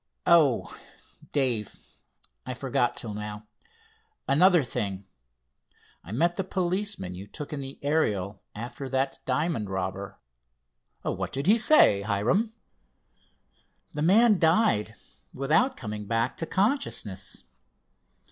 Oh, Dave, I forgot till now—another thing: I met the policeman you took in the Ariel after that diamond robber." "What did he say, Hiram?" "The man died without coming back to consciousness.